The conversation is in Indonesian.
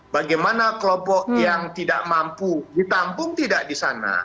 bagaimana kelompok yang tidak mampu ditampung tidak di sana